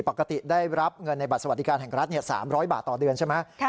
ปกติได้รับเงินในบัตรสวัสดิการแห่งรัฐ๓๐๐บาทต่อเดือนใช่ไหม